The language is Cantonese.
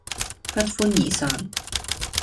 不歡而散